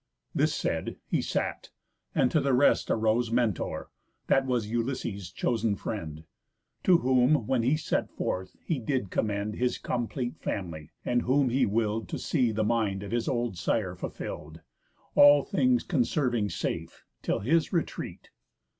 This said, he sat; and to the rest arose Mentor, that was Ulysses' chosen friend, To whom, when he set forth, he did commend His cómplete family, and whom he will'd To see the mind of his old sire fulfill'd, All things conserving safe, till his retreat.